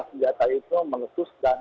senjata itu meletus dan